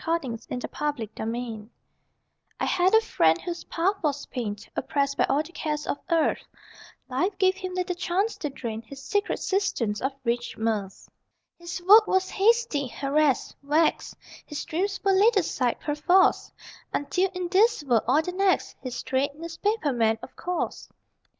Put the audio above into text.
THOUGHTS ON REACHING LAND I had a friend whose path was pain Oppressed by all the cares of earth Life gave him little chance to drain His secret cisterns of rich mirth. His work was hasty, harassed, vexed: His dreams were laid aside, perforce, Until in this world, or the next.... (His trade? Newspaper man, of course!)